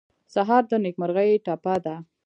سهار د نیکمرغۍ ټپه ده.